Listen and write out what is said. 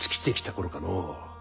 頃かのう。